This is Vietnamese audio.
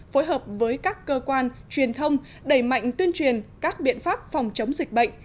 phối hợp với các cơ quan truyền thông đẩy mạnh tuyên truyền các biện pháp phòng chống dịch bệnh